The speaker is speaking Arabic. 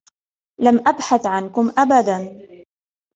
لم أبحث عنكم أبدا.